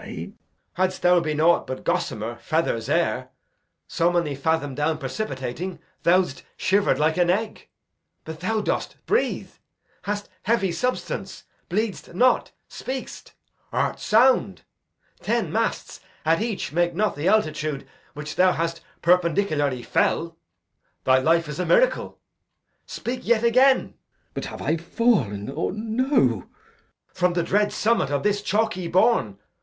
Edg. Hadst thou been aught but gossamer, feathers, air, So many fadom down precipitating, Thou'dst shiver'd like an egg; but thou dost breathe; Hast heavy substance; bleed'st not; speak'st; art sound. Ten masts at each make not the altitude Which thou hast perpendicularly fell. Thy life is a miracle. Speak yet again. Glou. But have I fall'n, or no? Edg. From the dread summit of this chalky bourn.